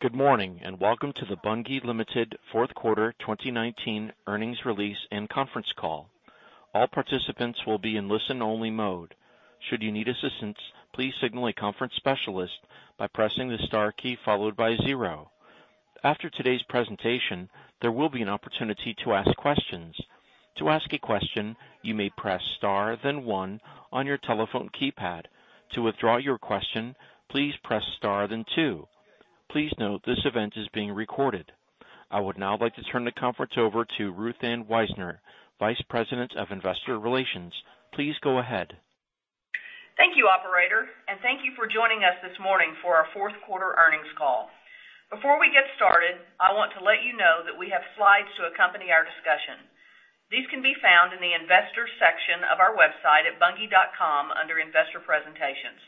Good morning. Welcome to the Bunge Limited Fourth Quarter 2019 earnings release and conference call. All participants will be in listen only mode. Should you need assistance, please signal a conference specialist by pressing the star key followed by zero. After today's presentation, there will be an opportunity to ask questions. To ask a question, you may press star then one on your telephone keypad. To withdraw your question, please press star then two. Please note this event is being recorded. I would now like to turn the conference over to Ruth Ann Wisener, Vice President of Investor Relations. Please go ahead. Thank you, operator, and thank you for joining us this morning for our fourth quarter earnings call. Before we get started, I want to let you know that we have slides to accompany our discussion. These can be found in the investors section of our website at bunge.com under Investor Presentations.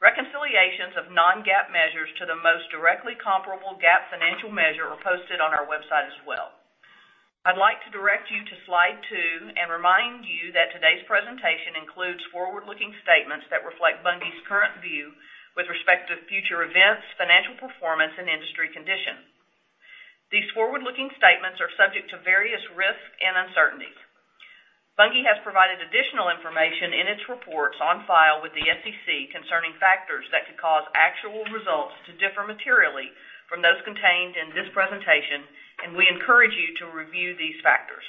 Reconciliations of non-GAAP measures to the most directly comparable GAAP financial measure are posted on our website as well. I'd like to direct you to slide two and remind you that today's presentation includes forward-looking statements that reflect Bunge's current view with respect to future events, financial performance and industry condition. These forward-looking statements are subject to various risks and uncertainties. Bunge has provided additional information in its reports on file with the SEC concerning factors that could cause actual results to differ materially from those contained in this presentation, and we encourage you to review these factors.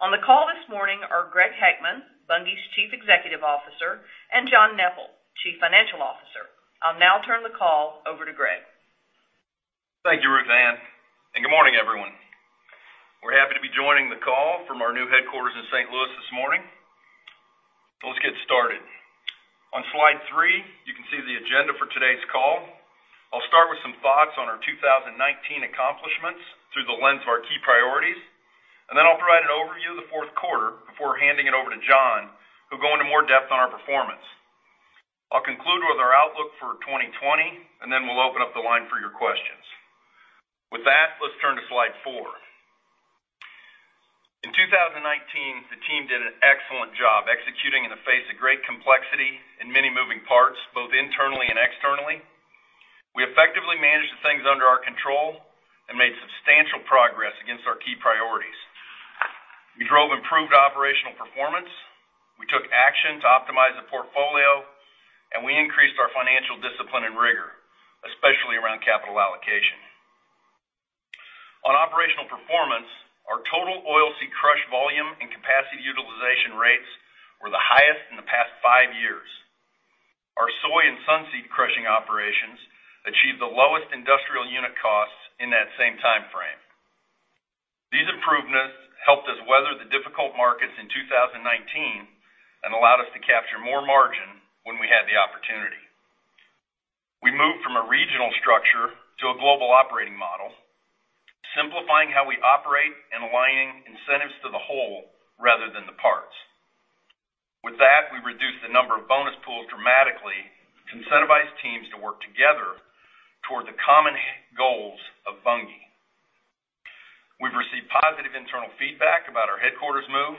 On the call this morning are Greg Heckman, Bunge's Chief Executive Officer, and John Neppl, Chief Financial Officer. I'll now turn the call over to Greg. Thank you, Ruth Ann. Good morning, everyone. We're happy to be joining the call from our new headquarters in St. Louis this morning. Let's get started. On slide three, you can see the agenda for today's call. I'll start with some thoughts on our 2019 accomplishments through the lens of our key priorities, and then I'll provide an overview of the fourth quarter before handing it over to John, who'll go into more depth on our performance. I'll conclude with our outlook for 2020, and then we'll open up the line for your questions. With that, let's turn to slide four. In 2019, the team did an excellent job executing in the face of great complexity and many moving parts, both internally and externally. We effectively managed the things under our control and made substantial progress against our key priorities. We drove improved operational performance. We took action to optimize the portfolio, and we increased our financial discipline and rigor, especially around capital allocation. On operational performance, our total oilseed crush volume and capacity utilization rates were the highest in the past five years. Our soy and sunseed crushing operations achieved the lowest industrial unit costs in that same time frame. These improvements helped us weather the difficult markets in 2019 and allowed us to capture more margin when we had the opportunity. We moved from a regional structure to a global operating model, simplifying how we operate and aligning incentives to the whole rather than the parts. With that, we reduced the number of bonus pools dramatically to incentivize teams to work together toward the common goals of Bunge. We've received positive internal feedback about our headquarters move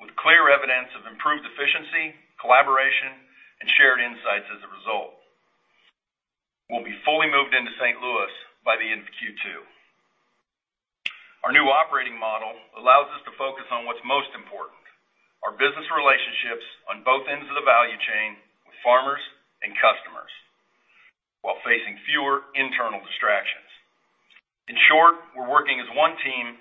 with clear evidence of improved efficiency, collaboration, and shared insights as a result. We'll be fully moved into St. Louis by the end of Q2. Our new operating model allows us to focus on what's most important, our business relationships on both ends of the value chain with farmers and customers while facing fewer internal distractions. In short, we're working as one team,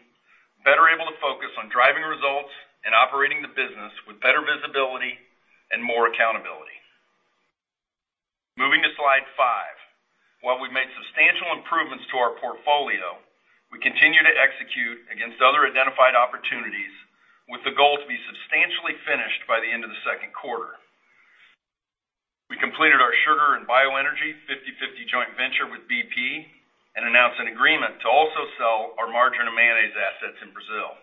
better able to focus on driving results and operating the business with better visibility and more accountability. Moving to slide five. While we've made substantial improvements to our portfolio, we continue to execute against other identified opportunities with the goal to be substantially finished by the end of the second quarter. We completed our sugar and bioenergy 50/50 joint venture with BP and announced an agreement to also sell our margarine and mayonnaise assets in Brazil.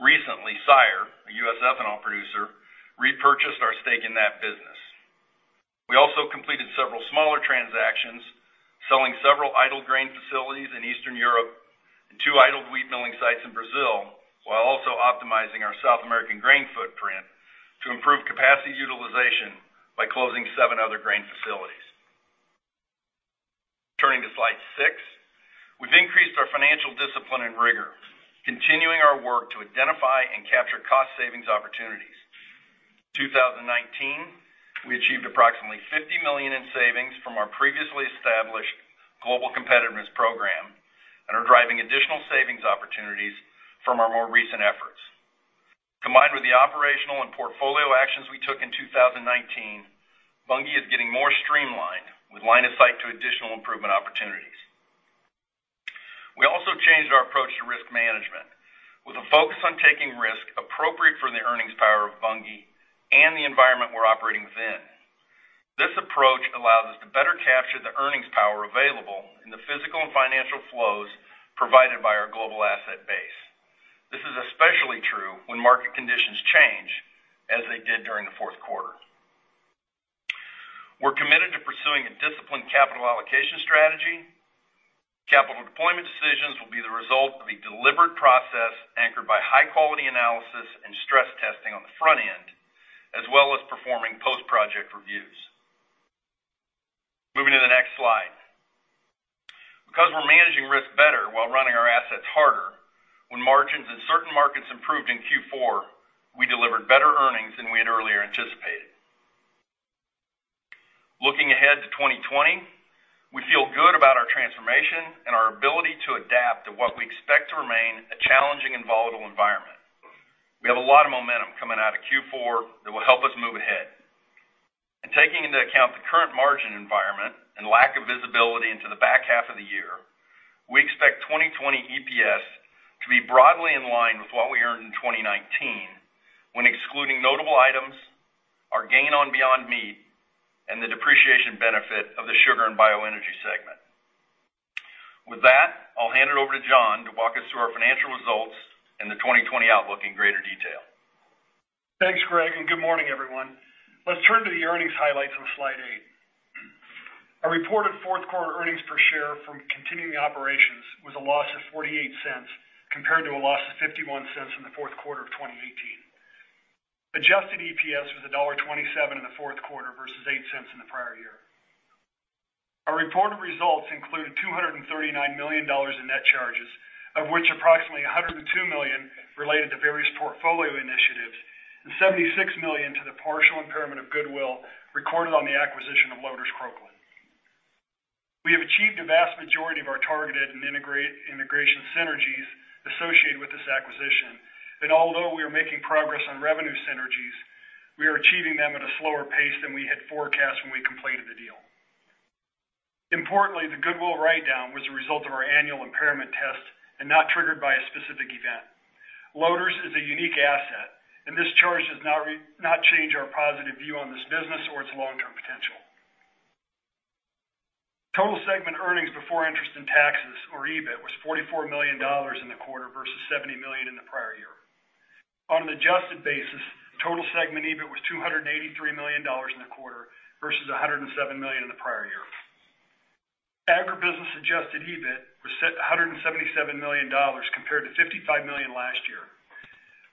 Recently, SIRE, a U.S. ethanol producer, repurchased our stake in that business. We also completed several smaller transactions, selling several idle grain facilities in Eastern Europe and two idle wheat milling sites in Brazil, while also optimizing our South American grain footprint to improve capacity utilization by closing seven other grain facilities. Turning to slide six. We've increased our financial discipline and rigor, continuing our work to identify and capture cost savings opportunities. 2019, we achieved approximately $50 million in savings from our previously established Global Competitiveness Program and are driving additional savings opportunities from our more recent efforts. Combined with the operational and portfolio actions we took in 2019, Bunge is getting more streamlined with line of sight to additional improvement opportunities. We also changed our approach to risk management with a focus on taking risk appropriate for the earnings power of Bunge and the environment we're operating within. This approach allows us to better capture the earnings power available in the physical and financial flows provided by our global asset base. This is especially true when market conditions change as they did during the fourth quarter. We're committed to pursuing a disciplined capital allocation strategy. Capital deployment decisions will be the result of a deliberate process anchored by high-quality analysis and stress testing on the front end, as well as performing post-project reviews. Moving to the next slide. Because we're managing risk better while running our assets harder, when margins in certain markets improved in Q4, we delivered better earnings than we had earlier anticipated. Looking ahead to 2020, we feel good about our transformation and our ability to adapt to what we expect to remain a challenging and volatile environment. We have a lot of momentum coming out of Q4 that will help us move ahead. In taking into account the current margin environment and lack of visibility into the back half of the year, we expect 2020 EPS to be broadly in line with what we earned in 2019, when excluding notable items, our gain on Beyond Meat, and the depreciation benefit of the sugar and bioenergy segment. With that, I'll hand it over to John to walk us through our financial results and the 2020 outlook in greater detail. Thanks, Greg, and good morning, everyone. Let's turn to the earnings highlights on slide eight. Our reported fourth quarter earnings per share from continuing operations was a loss of $0.48 compared to a loss of $0.51 in the fourth quarter of 2018. Adjusted EPS was $1.27 in the fourth quarter versus $0.08 in the prior year. Our reported results included $239 million in net charges, of which approximately $102 million related to various portfolio initiatives, and $76 million to the partial impairment of goodwill recorded on the acquisition of Loders Croklaan. We have achieved a vast majority of our targeted and integration synergies associated with this acquisition. Although we are making progress on revenue synergies, we are achieving them at a slower pace than we had forecast when we completed the deal. Importantly, the goodwill write-down was a result of our annual impairment test and not triggered by a specific event. Loders is a unique asset, and this charge does not change our positive view on this business or its long-term potential. Total segment earnings before interest and taxes, or EBIT, was $44 million in the quarter versus $70 million in the prior year. On an adjusted basis, total segment EBIT was $283 million in the quarter versus $107 million in the prior year. Agribusiness adjusted EBIT was $177 million compared to $55 million last year.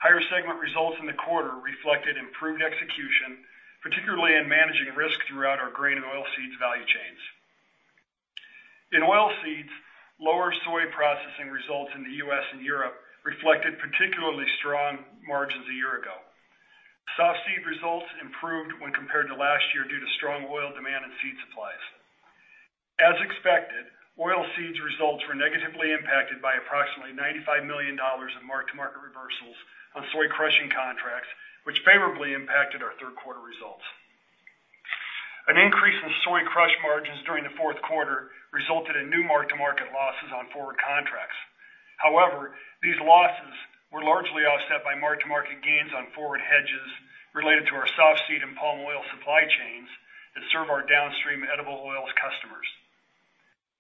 Higher segment results in the quarter reflected improved execution, particularly in managing risk throughout our grain and oilseeds value chains. In oilseeds, lower soy processing results in the US and Europe reflected particularly strong margins a year ago. Softseed results improved when compared to last year due to strong oil demand and seed supplies. As expected, oilseeds results were negatively impacted by approximately $95 million in mark-to-market reversals on soy crushing contracts, which favorably impacted our third quarter results. An increase in soy crush margins during the fourth quarter resulted in new mark-to-market losses on forward contracts. These losses were largely offset by mark-to-market gains on forward hedges related to our Softseed and Palm oil supply chains that serve our downstream edible oils customers.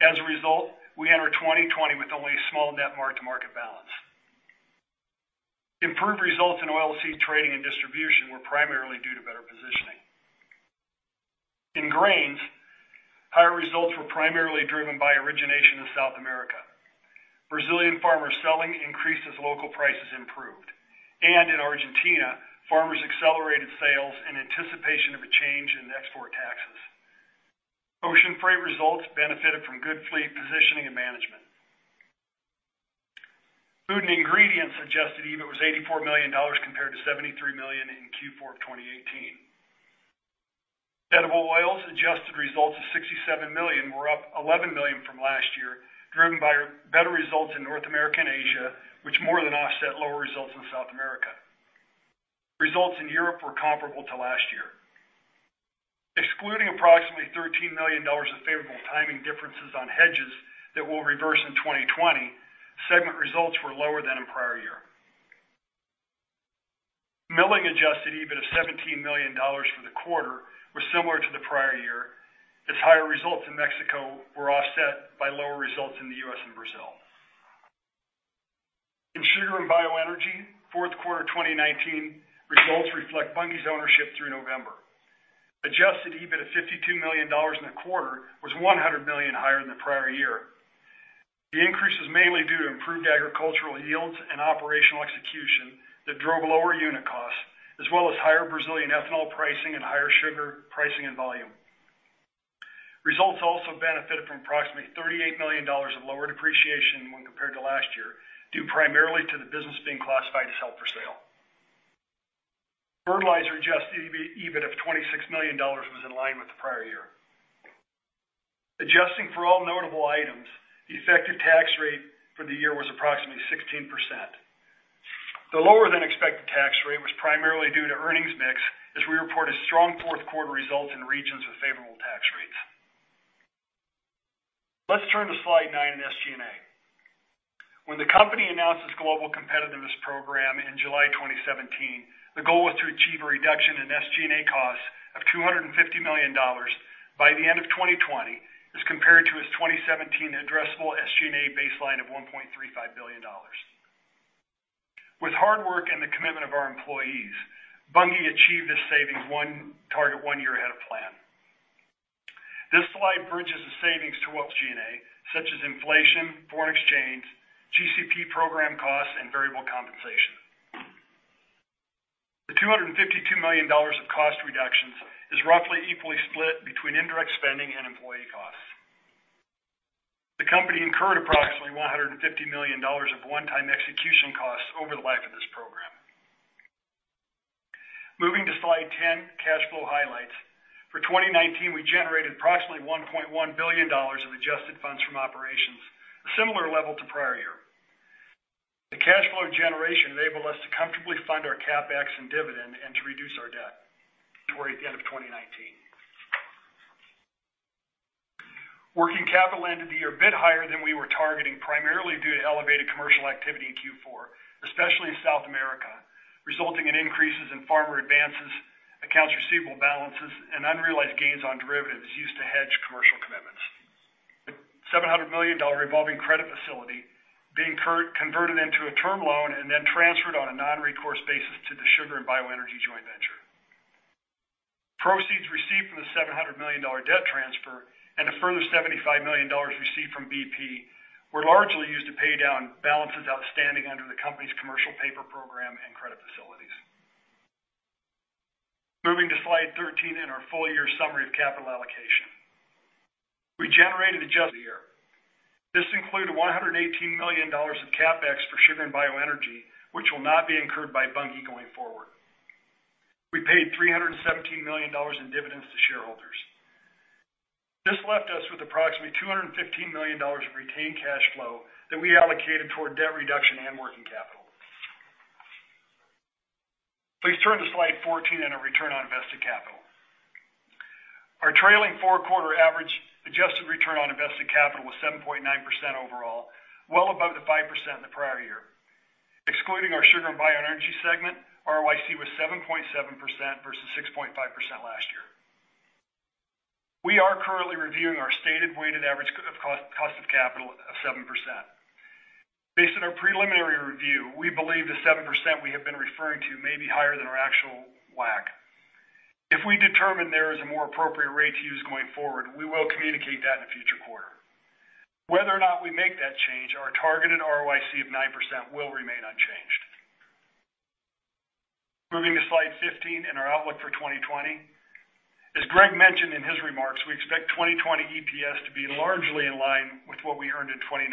As a result, we enter 2020 with only a small net mark-to-market balance. Improved results in oilseed trading and distribution were primarily due to better positioning. In grains, higher results were primarily driven by origination in South America. Brazilian farmers selling increased as local prices improved. In Argentina, farmers accelerated sales in anticipation of a change in export taxes. Ocean freight results benefited from good fleet positioning and management. Food and ingredients adjusted EBIT was $84 million compared to $73 million in Q4 2018. Edible oils adjusted results of $67 million were up $11 million from last year, driven by better results in North America and Asia, which more than offset lower results in South America. Results in Europe were comparable to last year. Excluding approximately $13 million of favorable timing differences on hedges that will reverse in 2020, segment results were lower than in prior year. Milling adjusted EBIT of $17 million for the quarter were similar to the prior year, as higher results in Mexico were offset by lower results in the U.S. and Brazil. In sugar and bioenergy, fourth quarter 2019 results reflect Bunge's ownership through November. Adjusted EBIT of $52 million in the quarter was $100 million higher than the prior year. The increase is mainly due to improved agricultural yields and operational execution that drove lower unit costs as well as higher Brazilian ethanol pricing and higher sugar pricing and volume. Results also benefited from approximately $38 million of lower depreciation when compared to last year, due primarily to the business being classified as held for sale. Fertilizer adjusted EBIT of $26 million was in line with the prior year. Adjusting for all notable items, the effective tax rate for the year was approximately 16%. The lower than expected tax rate was primarily due to earnings mix as we reported strong fourth quarter results in regions with favorable tax rates. Let's turn to slide nine in SG&A. When the company announced its Global Competitiveness Program in July 2017, the goal was to achieve a reduction in SG&A costs of $250 million by the end of 2020 as compared to its 2017 addressable SG&A baseline of $1.35 billion. With hard work and the commitment of our employees, Bunge achieved this savings target one year ahead of plan. This slide bridges the savings to what's SG&A, such as inflation, foreign exchange, GCP program costs, and variable compensation. The $252 million of cost reductions is roughly equally split between indirect spending and employee costs. The company incurred approximately $150 million of one-time execution costs over the life of this program. Moving to slide 10, cash flow highlights. For 2019, we generated approximately $1.1 billion of adjusted funds from operations, a similar level to prior year. The cash flow generation enabled us to comfortably fund our CapEx and dividend and to reduce our debt toward the end of 2019. Working capital ended the year a bit higher than we were targeting, primarily due to elevated commercial activity in Q4, especially in South America, resulting in increases in farmer advances, accounts receivable balances, and unrealized gains on derivatives used to hedge commercial commitments. The $700 million revolving credit facility being converted into a term loan and then transferred on a non-recourse basis to the sugar and bioenergy joint venture. Proceeds received from the $700 million debt transfer and a further $75 million received from BP were largely used to pay down balances outstanding under the company's commercial paper program and credit facilities. Moving to slide 13 and our full year summary of capital allocation. We generated adjusted year. This included $118 million in CapEx for sugar and bioenergy, which will not be incurred by Bunge going forward. We paid $317 million in dividends to shareholders. This left us with approximately $215 million of retained cash flow that we allocated toward debt reduction and working capital. Please turn to slide 14 on our return on invested capital. Our trailing four-quarter average adjusted return on invested capital was 7.9% overall, well above the 5% in the prior year. Excluding our sugar and bioenergy segment, ROIC was 7.7% versus 6.5% last year. We are currently reviewing our stated weighted average cost of capital of 7%. Based on our preliminary review, we believe the 7% we have been referring to may be higher than our actual WACC. If we determine there is a more appropriate rate to use going forward, we will communicate that in a future quarter. Whether or not we make that change, our targeted ROIC of 9% will remain unchanged. Moving to slide 15 and our outlook for 2020. As Greg mentioned in his remarks, we expect 2020 EPS to be largely in line with what we earned in 2019,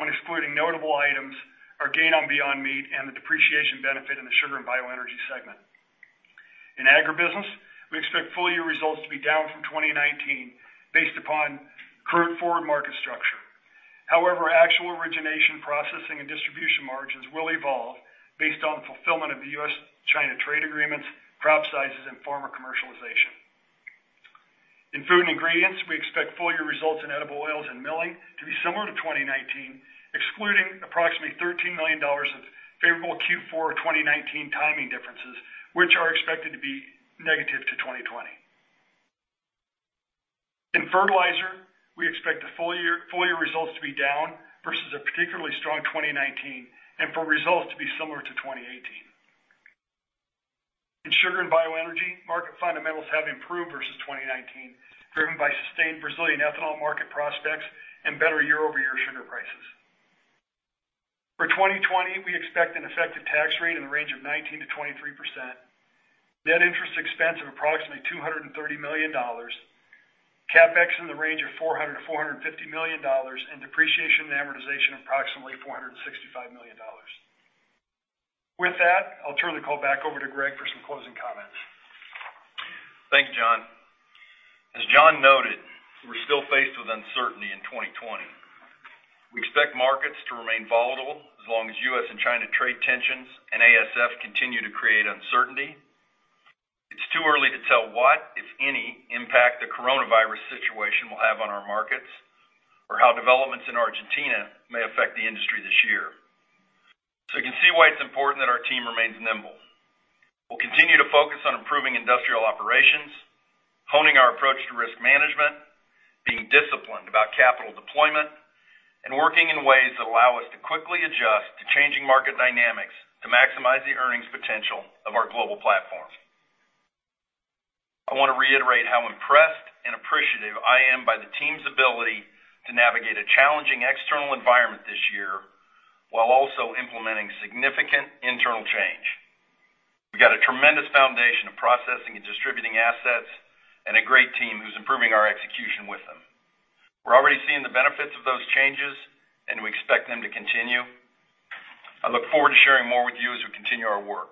when excluding notable items, our gain on Beyond Meat, and the depreciation benefit in the sugar and bioenergy segment. In agribusiness, we expect full-year results to be down from 2019 based upon current forward market structure. However, actual origination processing and distribution margins will evolve based on fulfillment of the U.S.-China trade agreements, crop sizes, and farmer commercialization. In food and ingredients, we expect full-year results in edible oils and milling to be similar to 2019, excluding approximately $13 million of favorable Q4 of 2019 timing differences, which are expected to be negative to 2020. In fertilizer, we expect the full-year results to be down versus a particularly strong 2019 and for results to be similar to 2018. In sugar and bioenergy, market fundamentals have improved versus 2019, driven by sustained Brazilian ethanol market prospects and better year-over-year sugar prices. For 2020, we expect an effective tax rate in the range of 19%-23%, net interest expense of approximately $230 million, CapEx in the range of $400 million-$450 million, and depreciation and amortization approximately $465 million. With that, I'll turn the call back over to Greg for some closing comments. Thanks, John. As John noted, we're still faced with uncertainty in 2020. We expect markets to remain volatile as long as U.S. and China trade tensions and ASF continue to create uncertainty. It's too early to tell what, if any, impact the coronavirus situation will have on our markets or how developments in Argentina may affect the industry this year. You can see why it's important that our team remains nimble. We'll continue to focus on improving industrial operations, honing our approach to risk management, being disciplined about capital deployment, and working in ways that allow us to quickly adjust to changing market dynamics to maximize the earnings potential of our global platforms. I want to reiterate how impressed and appreciative I am by the team's ability to navigate a challenging external environment this year while also implementing significant internal change. We got a tremendous foundation of processing and distributing assets and a great team who's improving our execution with them. We're already seeing the benefits of those changes and we expect them to continue. I look forward to sharing more with you as we continue our work.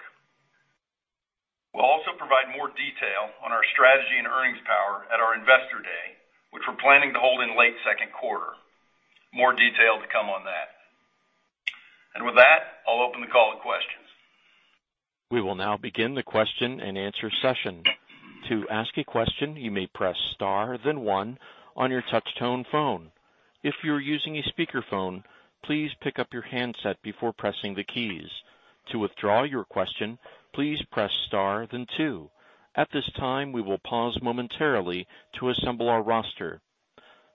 We'll also provide more detail on our strategy and earnings power at our Investor Day, which we're planning to hold in late second quarter. More detail to come on that. With that, I'll open the call to questions. We will now begin the question and answer session. To ask a question, you may press star then one on your touch tone phone. If you're using a speakerphone, please pick up your handset before pressing the keys. To withdraw your question, please press star then two. At this time, we will pause momentarily to assemble our roster.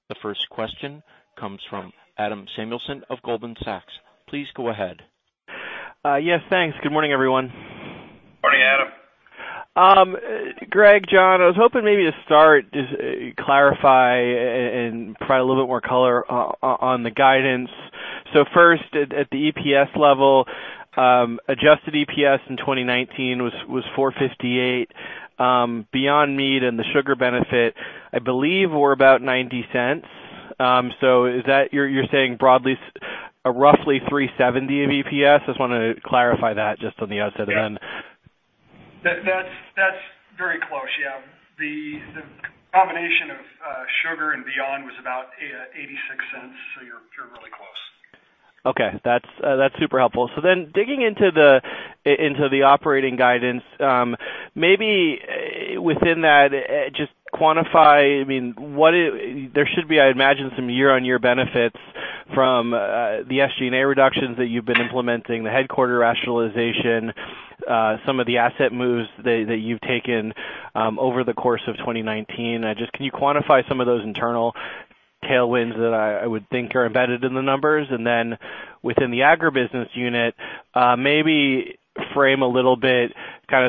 The first question comes from Adam Samuelson of Goldman Sachs. Please go ahead. Yes, thanks. Good morning, everyone. Morning, Adam. Greg, John, I was hoping maybe to start, just clarify and provide a little bit more color on the guidance. First, at the EPS level, adjusted EPS in 2019 was 458. Beyond Meat and the sugar benefit, I believe were about $0.90. You're saying broadly, roughly 370 of EPS? I just wanted to clarify that just on the outset. That's very close, yeah. The combination of sugar and beyond was about $0.86. You're really close. Okay. That's super helpful. Digging into the operating guidance, maybe within that, just quantify, there should be, I imagine, some year-on-year benefits from the SG&A reductions that you've been implementing, the headquarter rationalization, some of the asset moves that you've taken over the course of 2019. Can you quantify some of those internal tailwinds that I would think are embedded in the numbers? Within the agribusiness unit, maybe frame a little bit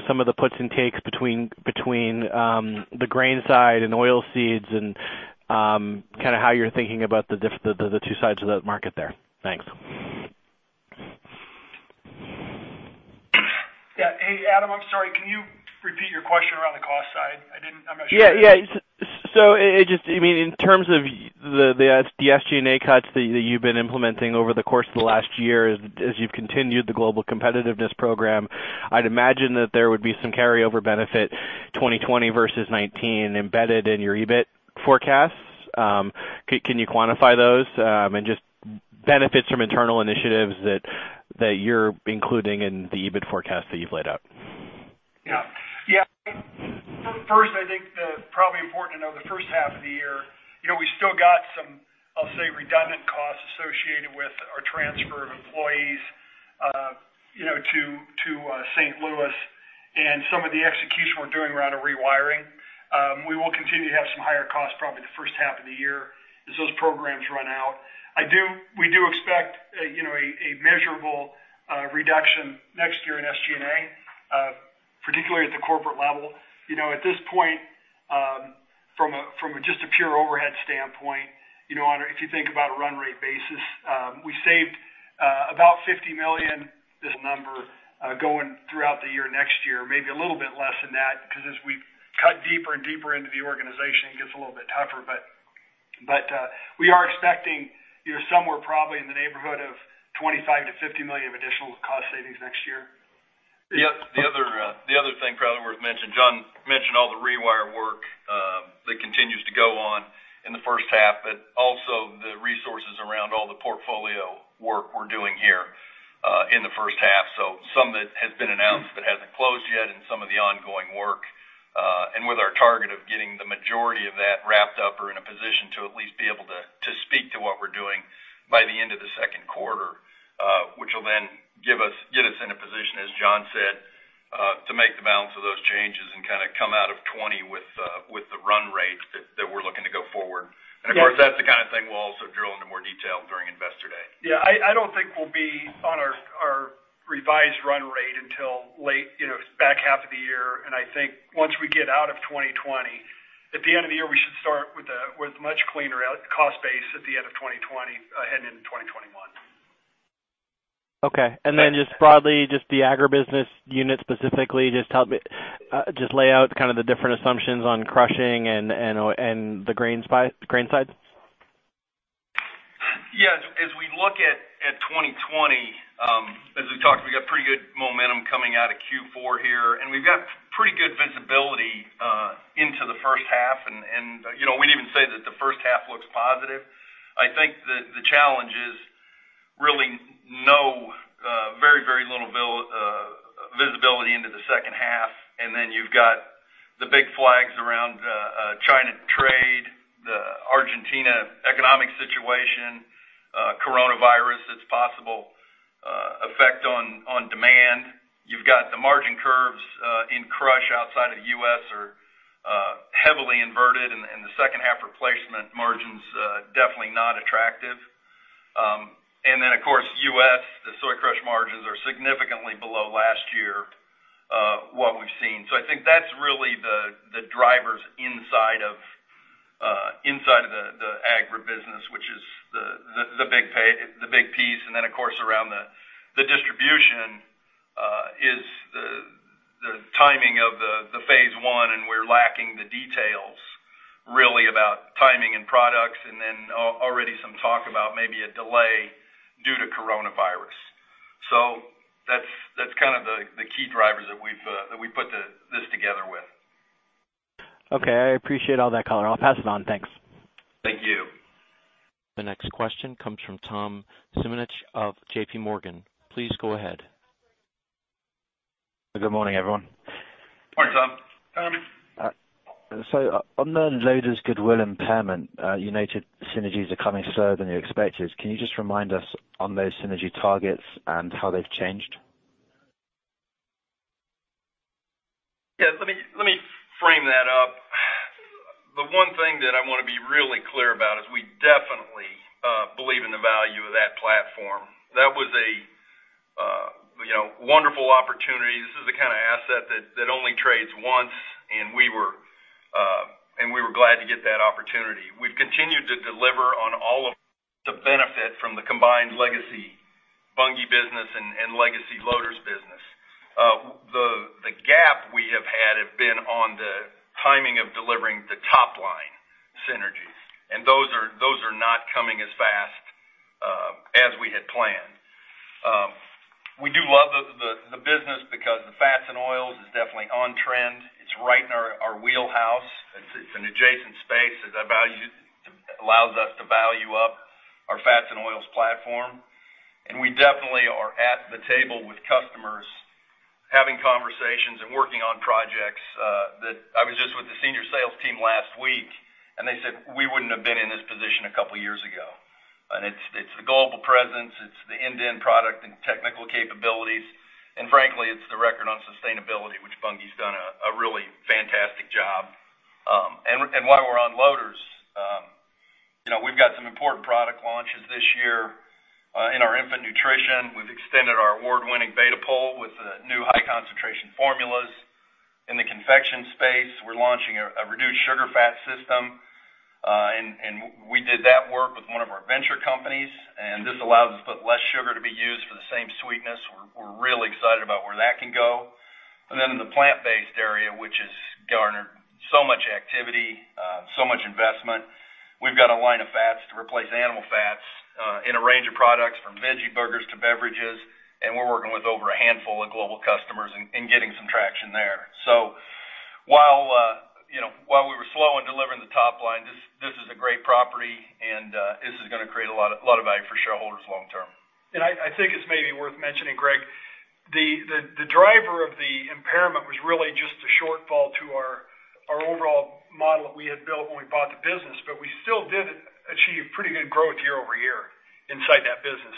some of the puts and takes between the grain side and oil seeds and how you're thinking about the two sides of that market there. Thanks. Yeah. Hey, Adam, I'm sorry. Can you repeat your question around the cost side? I'm not sure. Yeah. In terms of the SG&A cuts that you've been implementing over the course of the last year as you've continued the Global Competitiveness Program, I'd imagine that there would be some carryover benefit 2020 versus 2019 embedded in your EBIT forecasts. Can you quantify those? Just benefits from internal initiatives that you're including in the EBIT forecast that you've laid out. First, I think probably important to know the first half of the year, we still got some, I'll say, redundant costs associated with our transfer of employees to St. Louis and some of the execution we're doing around a rewiring. We will continue to have some higher costs probably the first half of the year as those programs run out. We do expect a measurable reduction next year in SG&A, particularly at the corporate level. At this point, from just a pure overhead standpoint, if you think about a run rate basis, we saved about $50 million, this number, going throughout the year next year, maybe a little bit less than that, because as we cut deeper and deeper into the organization, it gets a little bit tougher. We are expecting somewhere probably in the neighborhood of $25 million-$50 million of additional cost savings next year. The other thing probably worth mentioning, John mentioned all the rewire work that continues to go on in the first half, but also the resources around all the portfolio work we're doing here in the first half, some that has been announced but hasn't closed yet and some of the ongoing work. With our target of getting the majority of that wrapped up or in a position to at least be able to speak to what we're doing by the end of the second quarter, which will then get us in a position, as John said, to make the balance of those changes and come out of 2020 with the run rate that we're looking to go forward. Yes. Of course, that's the kind of thing we'll also drill into more detail during Investor Day. Yeah, I don't think we'll be on our revised run rate until back half of the year. I think once we get out of 2020, at the end of the year, we should start with a much cleaner cost base at the end of 2020 heading into 2021. Okay. Then just broadly, just the agribusiness unit specifically, just lay out the different assumptions on crushing and the grain sides. As we look at 2020, as we talked, we got pretty good momentum coming out of Q4 here, and we've got pretty good visibility into the first half, and we'd even say that the first half looks positive. I think that the challenge is really very, very little visibility into the second half, and then you've got the big flags around China trade, the Argentina economic situation, coronavirus, its possible effect on demand. You've got the margin curves in crush outside of the U.S. are heavily inverted and the second half replacement margins definitely not attractive. Then of course, U.S., the soy crush margins are significantly below last year, what we've seen. I think that's really the drivers inside of the agribusiness, which is the big piece. Of course, around the distribution is the timing of the phase I, and we're lacking the details really about timing and products. Already some talk about maybe a delay due to coronavirus. That's the key drivers that we put this together with. Okay. I appreciate all that color. I'll pass it on. Thanks. Thank you. The next question comes from Tom Simonitsch of JPMorgan. Please go ahead. Good morning, everyone. Morning, Tom. Tom. On the Loders goodwill impairment, you noted synergies are coming slower than you expected. Can you just remind us on those synergy targets and how they've changed? Yes, let me frame that up. The one thing that I want to be really clear about is we definitely believe in the value of that platform. That was a wonderful opportunity. This is the kind of asset that only trades once, and we were glad to get that opportunity. We've continued to deliver on all of the benefit from the combined legacy Bunge business and legacy Loders business. The gap we have had has been on the timing of delivering the top-line synergies, and those are not coming as fast as we had planned. We do love the business because the fats and oils is definitely on trend. It's right in our wheelhouse. It's an adjacent space. It allows us to value up our fats and oils platform. We definitely are at the table with customers having conversations and working on projects. I was just with the senior sales team last week, and they said, "We wouldn't have been in this position a couple of years ago." It's the global presence. It's the end product and technical capabilities. Frankly, it's the record on sustainability, which Bunge's done a really fantastic job. While we're on Loders, we've got some important product launches this year in our infant nutrition. We've extended our award-winning Betapol with new high-concentration formulas. In the confection space, we're launching a reduced sugar fat system. We did that work with one of our venture companies. This allows us to put less sugar to be used for the same sweetness. We're really excited about where that can go. In the plant-based area, which has garnered so much activity, so much investment, we've got a line of fats to replace animal fats in a range of products from veggie burgers to beverages, and we're working with over a handful of global customers and getting some traction there. While we were slow in delivering the top line, this is a great property, and this is going to create a lot of value for shareholders long term. I think it's maybe worth mentioning, Greg, the driver of the impairment was really just a shortfall to our overall model that we had built when we bought the business. We still did achieve pretty good growth year-over-year inside that business.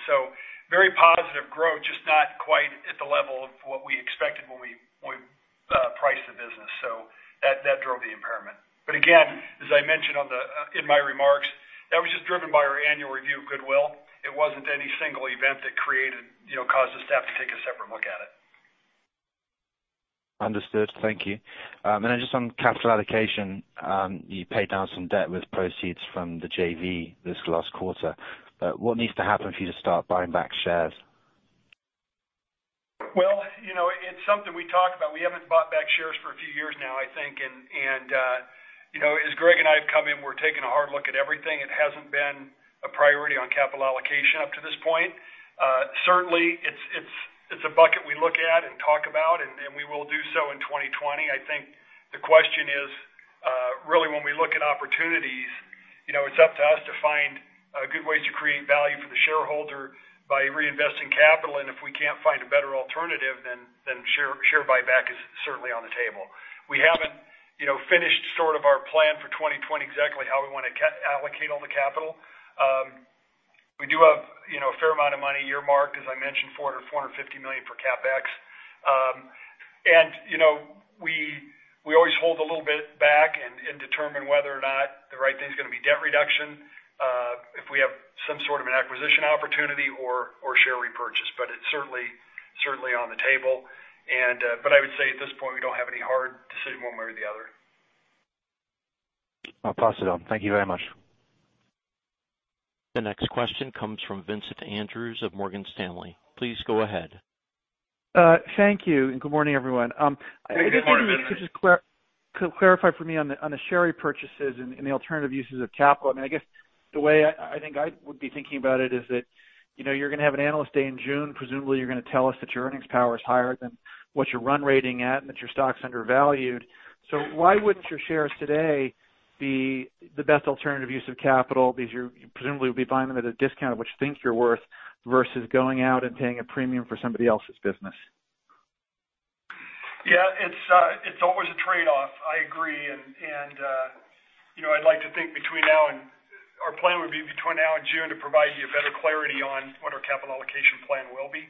Very positive growth, just not quite at the level of what we expected when we priced the business. That drove the impairment. Again, as I mentioned in my remarks, that was just driven by our annual review of goodwill. It wasn't any single event that caused us to have to take a separate look at it. Understood. Thank you. Just on capital allocation, you paid down some debt with proceeds from the JV this last quarter. What needs to happen for you to start buying back shares? Well, it's something we talk about. We haven't bought back shares for a few years now, I think. As Greg and I have come in, we're taking a hard look at everything. It hasn't been a priority on capital allocation up to this point. Certainly, it's a bucket we look at and talk about, we will do so in 2020. I think the question is really when we look at opportunities, it's up to us to find good ways to create value for the shareholder by reinvesting capital. If we can't find a better alternative, share buyback is certainly on the table. We haven't finished our plan for 2020 exactly how we want to allocate all the capital. We do have a fair amount of money earmarked, as I mentioned, $400 or $450 million for CapEx. We always hold a little bit back and determine whether or not the right thing's going to be debt reduction, if we have some sort of an acquisition opportunity or share repurchase. It's certainly on the table. I would say at this point, we don't have any hard decision one way or the other. Awesome. Thank you very much. The next question comes from Vincent Andrews of Morgan Stanley. Please go ahead. Thank you, and good morning, everyone. Good morning, Vincent. Could you clarify for me on the share repurchases and the alternative uses of capital? I guess the way I think I would be thinking about it is that you're going to have an Analyst Day in June. Presumably, you're going to tell us that your earnings power is higher than what you're run rating at and that your stock's undervalued. Why wouldn't your shares today be the best alternative use of capital because you presumably will be buying them at a discount of what you think you're worth versus going out and paying a premium for somebody else's business? Yeah, it's always a trade-off. I agree. I'd like to think our plan would be between now and June to provide you better clarity on what our capital allocation plan will be.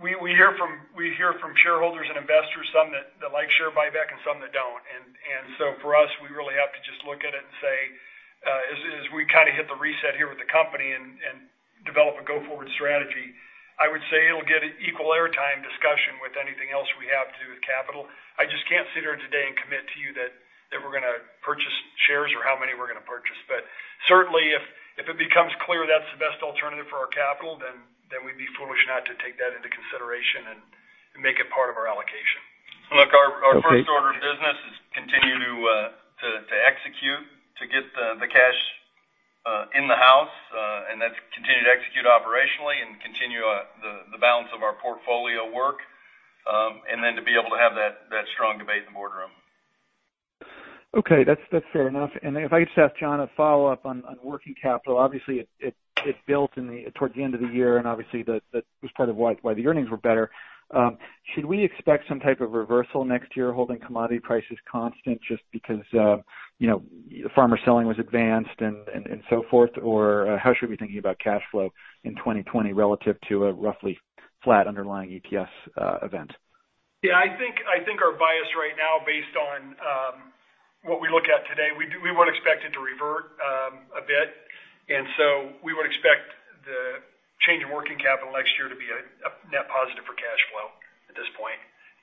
We hear from shareholders and investors, some that like share buyback and some that don't. For us, we really have to just look at it and say, as we hit the reset here with the company and develop a go-forward strategy, I would say it'll get equal air time discussion with anything else we have to do with capital. I just can't sit here today and commit to you that we're going to purchase shares or how many we're going to purchase. Certainly, if it becomes clear that's the best alternative for our capital, then we'd be foolish not to take that into consideration and make it part of our allocation. Okay. Look, our first order of business is continue to execute, to get the cash in the house, and that's continue to execute operationally and continue the balance of our portfolio work, and then to be able to have that strong debate in the boardroom. Okay. That's fair enough. If I could ask John a follow-up on working capital. Obviously, it built toward the end of the year, and obviously, that was part of why the earnings were better. Should we expect some type of reversal next year holding commodity prices constant just because farmer selling was advanced and so forth? How should we be thinking about cash flow in 2020 relative to a roughly flat underlying EPS event? Yeah, I think our bias right now based on what we look at today, we would expect it to revert a bit. We would expect the change in working capital next year to be a net positive for cash flow at this point.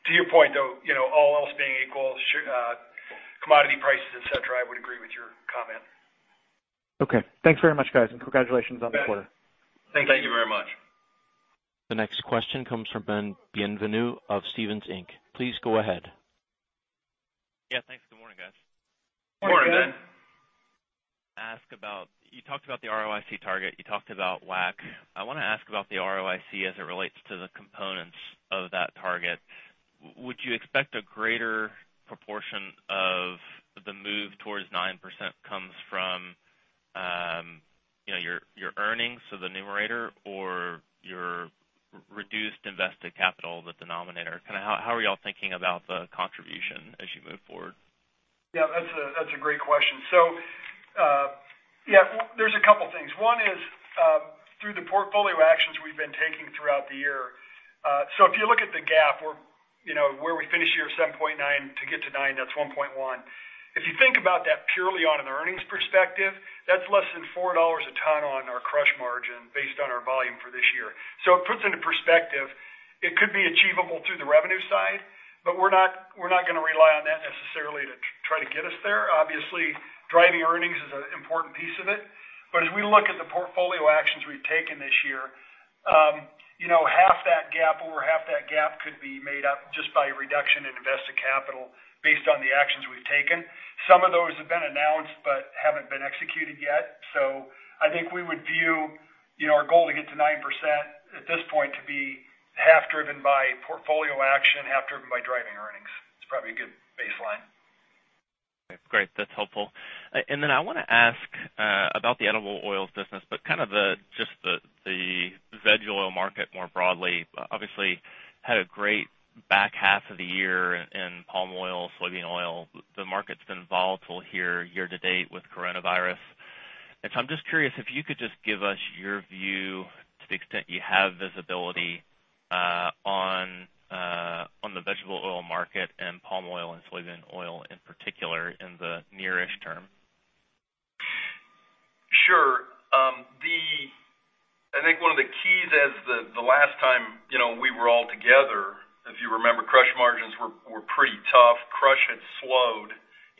To your point, though, all else being equal, commodity prices, et cetera, I would agree with your comment. Okay. Thanks very much, guys, and congratulations on the quarter. Thank you very much. The next question comes from Ben Bienvenu of Stephens Inc. Please go ahead. Yeah, thanks. Good morning, guys. Morning, Ben. Ask about, you talked about the ROIC target, you talked about WACC. I want to ask about the ROIC as it relates to the components of that target. Would you expect a greater proportion of the move towards 9% comes from your earnings, so the numerator or your reduced invested capital, the denominator? How are you all thinking about the contribution as you move forward? Yeah, that's a great question. Yeah, there's a couple things. One is through the portfolio actions we've been taking throughout the year. If you look at the gap where we finish year 7.9 to get to 9, that's 1.1. If you think about that purely on an earnings perspective, that's less than $4 a ton on our crush margin based on our volume for this year. It puts into perspective it could be achievable through the revenue side, but we're not going to rely on that necessarily to try to get us there. Obviously, driving earnings is an important piece of it. But as we look at the portfolio actions we've taken this year, over half that gap could be made up just by reduction in invested capital based on the actions we've taken. Some of those have been announced but haven't been executed yet. I think we would view our goal to get to 9% at this point to be half driven by portfolio action, half driven by driving earnings. It's probably a good baseline. Great. That's helpful. Then I want to ask about the edible oils business, but kind of just the veg oil market more broadly, obviously had a great back half of the year in palm oil, soybean oil. The market's been volatile here year to date with coronavirus. So I'm just curious if you could just give us your view to the extent you have visibility on the vegetable oil market and palm oil and soybean oil in particular in the near-ish term. Sure. I think one of the keys as the last time we were all together, if you remember, crush margins were pretty tough. Crush had slowed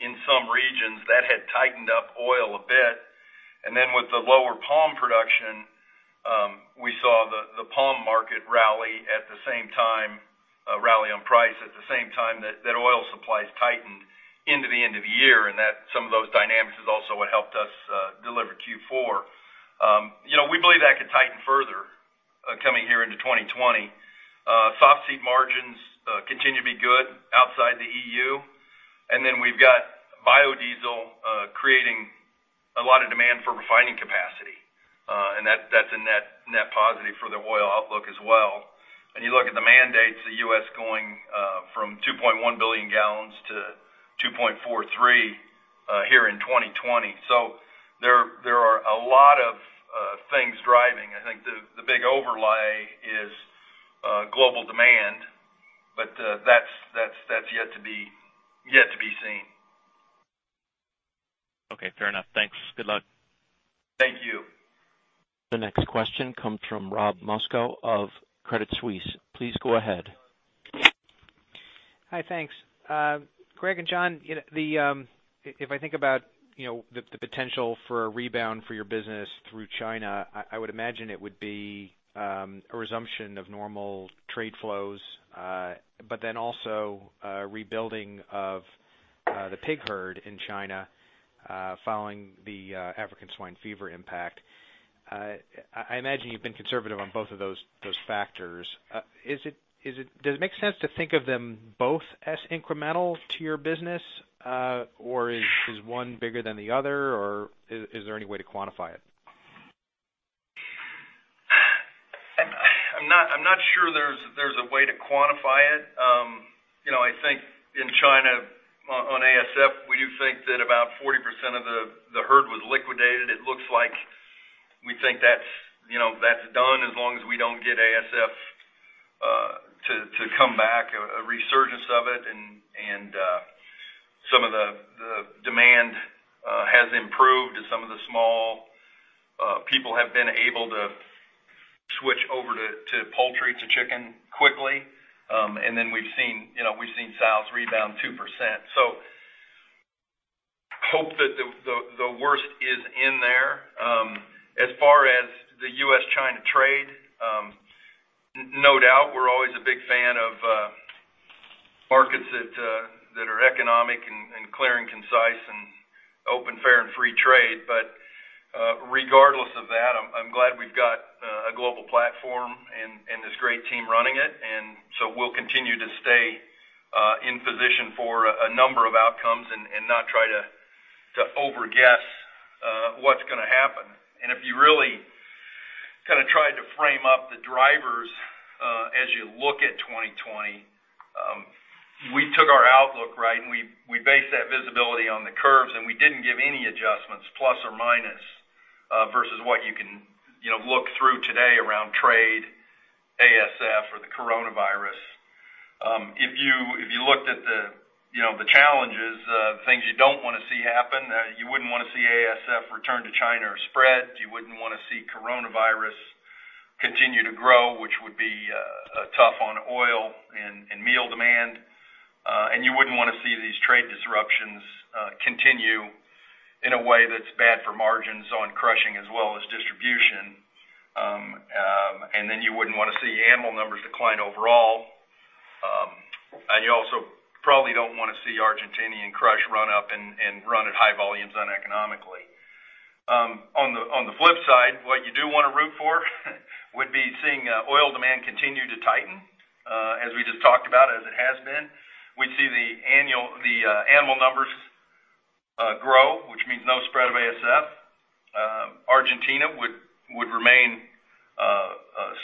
in some regions. That had tightened up oil a bit. With the lower palm production, we saw the palm market rally at the same time, rally on price at the same time that oil supplies tightened into the end of the year, some of those dynamics is also what helped us deliver Q4. We believe that could tighten further coming here into 2020. Soft seed margins continue to be good outside the EU. We've got biodiesel creating a lot of demand for refining capacity. That's a net positive for the oil outlook as well. When you look at the mandates, the U.S. going from 2.1 billion gallons to 2.43 here in 2020. There are a lot of things driving. I think the big overlay is global demand, but that's yet to be seen. Okay, fair enough. Thanks. Good luck. Thank you. The next question comes from Rob Moskow of Credit Suisse. Please go ahead. Hi, thanks. Greg and John, if I think about the potential for a rebound for your business through China, I would imagine it would be a resumption of normal trade flows, but then also a rebuilding of the pig herd in China following the African swine fever impact. I imagine you've been conservative on both of those factors. Does it make sense to think of them both as incremental to your business? Is one bigger than the other? Is there any way to quantify it? I'm not sure there's a way to quantify it. I think in China on ASF, we do think that about 40% of the herd was liquidated. It looks like we think that's done as long as we don't get ASF to come back, a resurgence of it. Some of the demand has improved as some of the small people have been able to switch over to poultry, to chicken quickly. We've seen sales rebound 2%. Hope that the worst is in there. As far as the US-China trade, no doubt, we're always a big fan of markets that are economic and clear and concise and open, fair, and free trade. Regardless of that, I'm glad we've got a global platform and this great team running it. We'll continue to stay in position for a number of outcomes and not try to overguess what's going to happen. If you really kind of tried to frame up the drivers as you look at 2020. We took our outlook, right, and we based that visibility on the curves, and we didn't give any adjustments, plus or minus, versus what you can look through today around trade, ASF, or the coronavirus. If you looked at the challenges, the things you don't want to see happen, you wouldn't want to see ASF return to China or spread. You wouldn't want to see coronavirus continue to grow, which would be tough on oil and meal demand. You wouldn't want to see these trade disruptions continue in a way that's bad for margins on crushing as well as distribution. You wouldn't want to see animal numbers decline overall. You also probably don't want to see Argentinian crush run up and run at high volumes uneconomically. On the flip side, what you do want to root for would be seeing oil demand continue to tighten, as we just talked about, as it has been. We'd see the animal numbers grow, which means no spread of ASF. Argentina would remain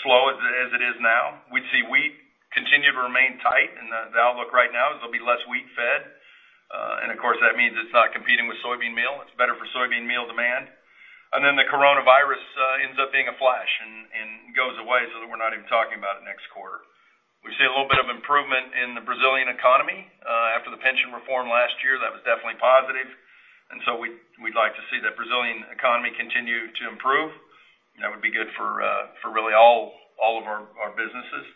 slow as it is now. We'd see wheat continue to remain tight, and the outlook right now is there'll be less wheat fed. Of course, that means it's not competing with soybean meal. It's better for soybean meal demand. Then the coronavirus ends up being a flash and goes away so that we're not even talking about it next quarter. We see a little bit of improvement in the Brazilian economy. After the pension reform last year, that was definitely positive. So we'd like to see the Brazilian economy continue to improve. That would be good for really all of our businesses.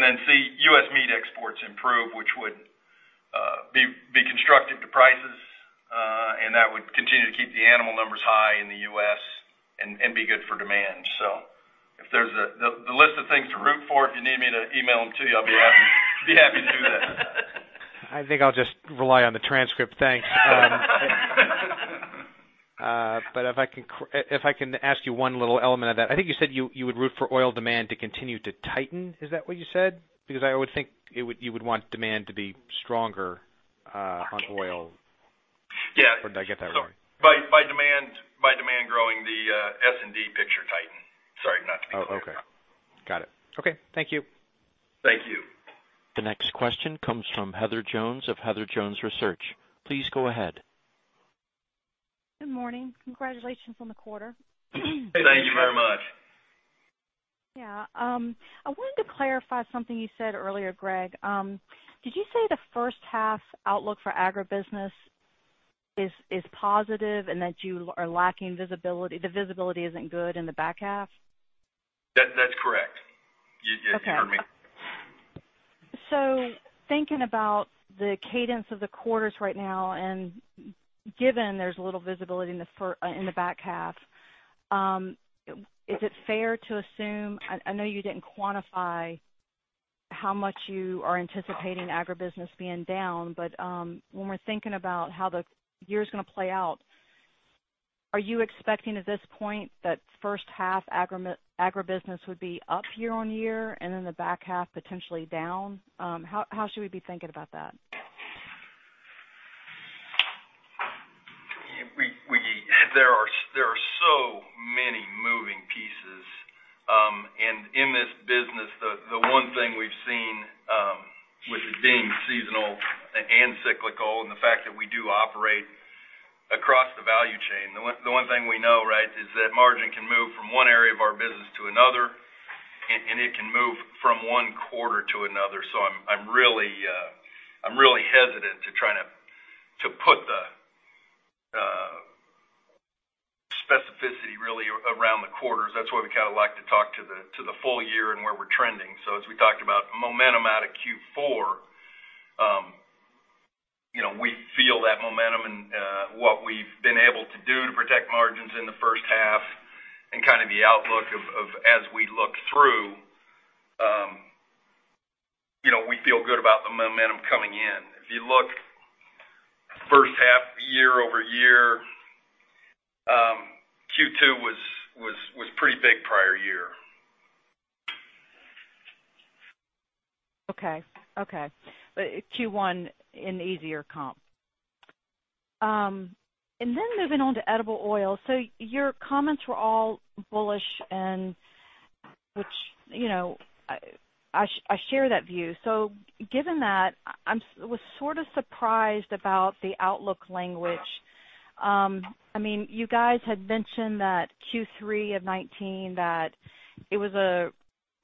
Then see U.S. meat exports improve, which would be constructive to prices, and that would continue to keep the animal numbers high in the U.S. and be good for demand. The list of things to root for, if you need me to email them to you, I'll be happy to do that. I think I'll just rely on the transcript. Thanks. If I can ask you one little element of that, I think you said you would root for oil demand to continue to tighten. Is that what you said? I would think you would want demand to be stronger on oil. Yeah. Did I get that wrong? By demand growing, the S&D picture tighten. Oh, okay. Got it. Okay. Thank you. Thank you. The next question comes from Heather Jones of Heather Jones Research. Please go ahead. Good morning. Congratulations on the quarter. Thank you very much. Yeah. I wanted to clarify something you said earlier, Greg. Did you say the first half outlook for agribusiness is positive and that the visibility isn't good in the back half? That's correct. Okay. You heard me. Thinking about the cadence of the quarters right now and given there's a little visibility in the back half, is it fair to assume, I know you didn't quantify how much you are anticipating agribusiness being down, but when we're thinking about how the year's going to play out, are you expecting at this point that first half agribusiness would be up year-on-year and then the back half potentially down? How should we be thinking about that? There are so many moving pieces. In this business, the one thing we've seen, with it being seasonal and cyclical and the fact that we do operate across the value chain, the one thing we know is that margin can move from one area of our business to another, and it can move from one quarter to another. I'm really hesitant to try to put the specificity really around the quarters. That's why we like to talk to the full year and where we're trending. As we talked about momentum out of Q4, we feel that momentum and what we've been able to do to protect margins in the first half and the outlook of as we look through, we feel good about the momentum coming in. If you look first half year-over-year, Q2 was pretty big prior year. Okay. Q1 an easier comp. Moving on to edible oil. Your comments were all bullish, and which I share that view. Given that, I was sort of surprised about the outlook language. You guys had mentioned that Q3 of 2019, that it was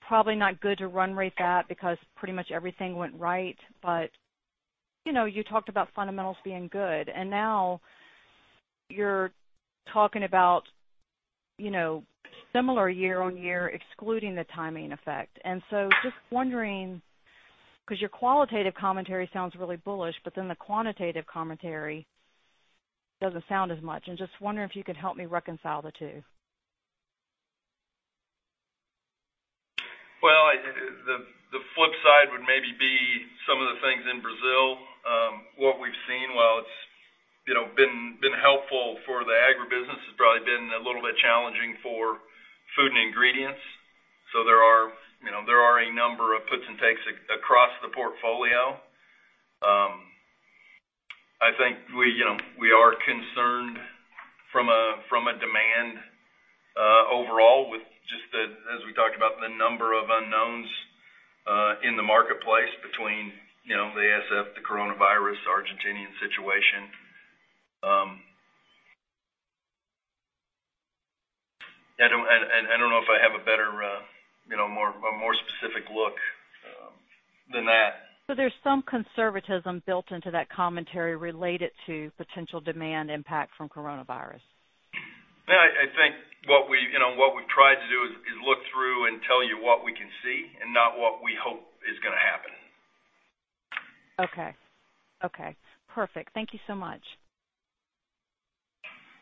probably not good to run rate that because pretty much everything went right. You talked about fundamentals being good. Now you're talking about similar year-over-year, excluding the timing effect. Just wondering, because your qualitative commentary sounds really bullish, but then the quantitative commentary doesn't sound as much. I'm just wondering if you could help me reconcile the two. The flip side would maybe be some of the things in Brazil. What we've seen, while it's been helpful for the agribusiness, has probably been a little bit challenging for food and ingredients. There are a number of puts and takes across the portfolio. Overall, with just the, as we talked about, the number of unknowns in the marketplace between the ASF, the coronavirus, Argentinian situation. I don't know if I have a more specific look than that. There's some conservatism built into that commentary related to potential demand impact from coronavirus. Yeah, I think what we've tried to do is look through and tell you what we can see and not what we hope is going to happen. Okay. Perfect. Thank you so much.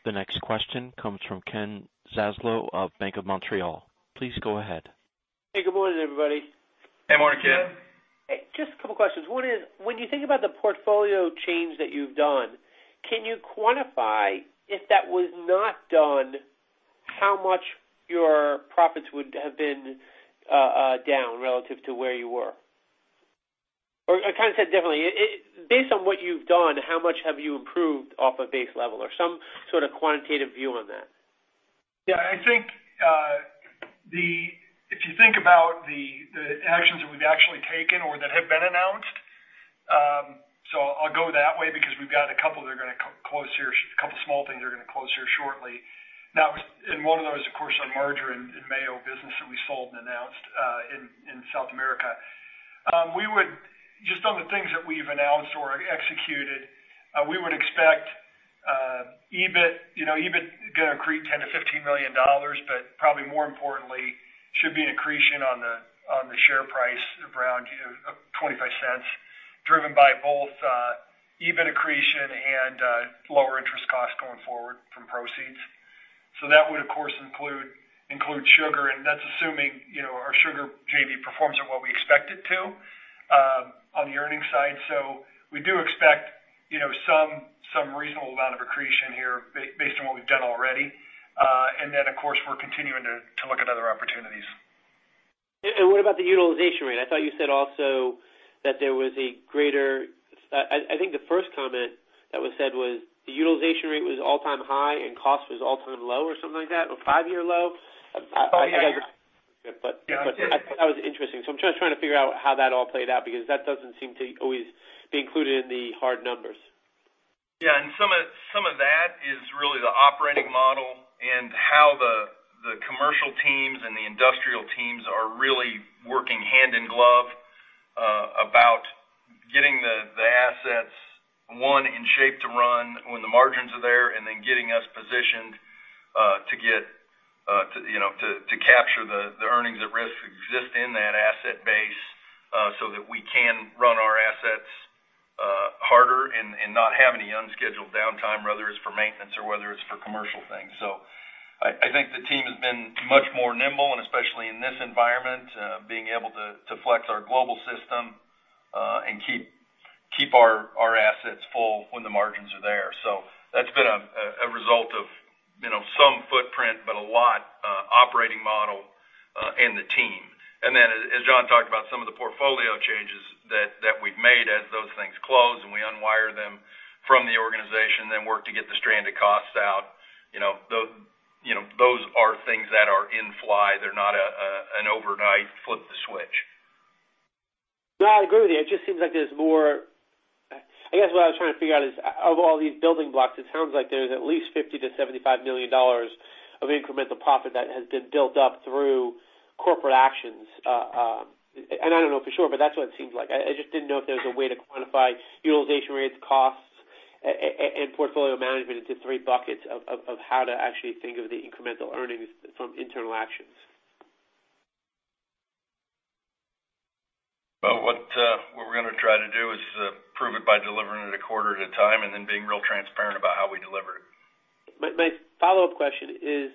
The next question comes from Ken Zaslow of Bank of Montreal. Please go ahead. Hey, good morning, everybody. Hey, morning, Ken. Hey, just a couple of questions. One is, when you think about the portfolio change that you've done, can you quantify, if that was not done, how much your profits would have been down relative to where you were? Kind of said differently, based on what you've done, how much have you improved off a base level or some sort of quantitative view on that? Yeah, if you think about the actions that we've actually taken or that have been announced, I'll go that way because we've got a couple of small things that are going to close here shortly. Now, one of those, of course, our margarine in mayo business that we sold and announced in South America. Just on the things that we've announced or executed, we would expect EBIT going to accrete $10 million-$15 million, probably more importantly, should be an accretion on the share price around $0.25, driven by both EBIT accretion and lower interest costs going forward from proceeds. That would, of course, include sugar, and that's assuming our sugar JV performs at what we expect it to on the earnings side. We do expect some reasonable amount of accretion here based on what we've done already. Of course, we're continuing to look at other opportunities. What about the utilization rate? I thought you said also that I think the first comment that was said was the utilization rate was all-time high and cost was all-time low or something like that, or five-year low. Oh, yeah. I thought it was interesting. I'm just trying to figure out how that all played out, because that doesn't seem to always be included in the hard numbers. Some of that is really the operating model and how the commercial teams and the industrial teams are really working hand in glove about getting the assets, one, in shape to run when the margins are there, and then getting us positioned to capture the earnings at risk that exist in that asset base so that we can run our assets harder and not have any unscheduled downtime, whether it's for maintenance or whether it's for commercial things. I think the team has been much more nimble, and especially in this environment, being able to flex our global system and keep our assets full when the margins are there. That's been a result of some footprint, but a lot operating model and the team. As John talked about, some of the portfolio changes that we've made as those things close and we unwire them from the organization, then work to get the stranded costs out. Those are things that are in play. They're not an overnight flip the switch. No, I agree with you. I guess what I was trying to figure out is of all these building blocks, it sounds like there's at least $50 million-$75 million of incremental profit that has been built up through corporate actions. I don't know for sure, but that's what it seems like. I just didn't know if there was a way to quantify utilization rates, costs, and portfolio management into three buckets of how to actually think of the incremental earnings from internal actions. Well, what we're going to try to do is prove it by delivering it a quarter at a time and then being real transparent about how we deliver it. My follow-up question is,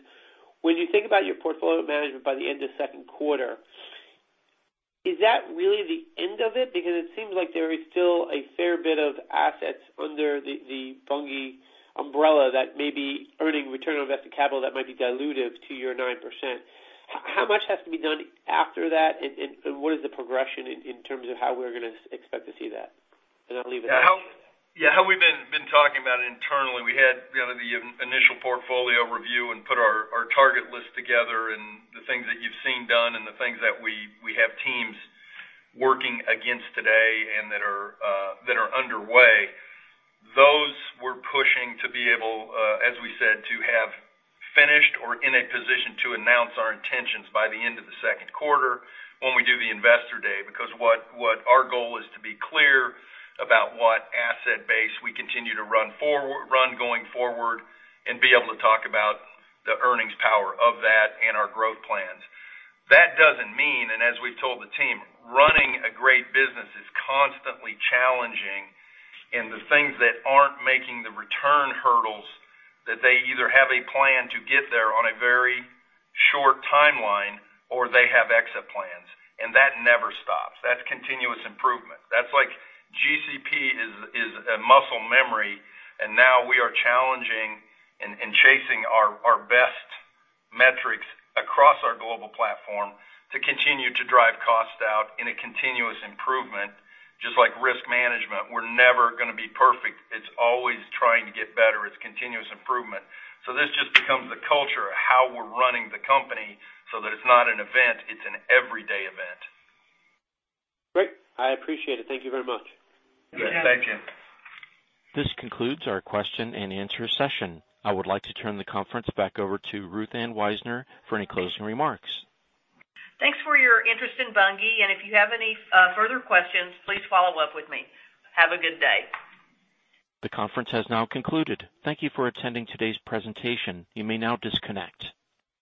when you think about your portfolio management by the end of second quarter, is that really the end of it? It seems like there is still a fair bit of assets under the Bunge umbrella that may be earning return on invested capital that might be dilutive to your 9%. How much has to be done after that, and what is the progression in terms of how we're going to expect to see that? I'll leave it at that. Yeah, how we've been talking about it internally, we had the initial portfolio review and put our target list together and the things that you've seen done and the things that we have teams working against today and that are underway. Those we're pushing to be able, as we said, to have finished or in a position to announce our intentions by the end of the second quarter when we do the investor day. What our goal is to be clear about what asset base we continue to run going forward and be able to talk about the earnings power of that and our growth plans. That doesn't mean, and as we've told the team, running a great business is constantly challenging, and the things that aren't making the return hurdles that they either have a plan to get there on a very short timeline or they have exit plans. That never stops. That's continuous improvement. That's like GCP is a muscle memory, and now we are challenging and chasing our best metrics across our global platform to continue to drive costs out in a continuous improvement. Just like risk management, we're never going to be perfect. It's always trying to get better. It's continuous improvement. This just becomes the culture of how we're running the company so that it's not an event, it's an everyday event. Great. I appreciate it. Thank you very much. Yeah. Thank you. This concludes our question and answer session. I would like to turn the conference back over to Ruth Ann Wisener for any closing remarks. Thanks for your interest in Bunge, and if you have any further questions, please follow up with me. Have a good day. The conference has now concluded. Thank you for attending today's presentation. You may now disconnect.